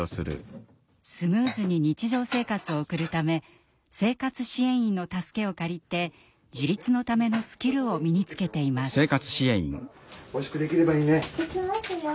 スムーズに日常生活を送るため生活支援員の助けを借りて自立のためのスキルを身につけています。